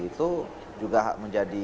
itu juga menjadi